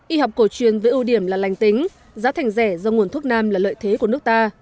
y học cổ truyền với ưu điểm là lành tính giá thành rẻ do nguồn thuốc nam là lợi thế của nước ta